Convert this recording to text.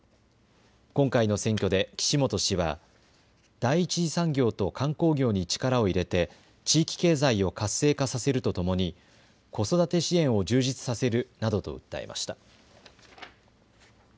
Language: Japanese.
今回の選挙で岸本氏は第１次産業と観光業に力を入れて地域経済を活性化させるとともに子育て支援を充実させるなどと訴えました。